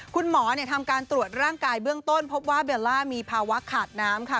คุณหมอทำการตรวจร่างกายเบื้องต้นพบว่าเบลล่ามีภาวะขาดน้ำค่ะ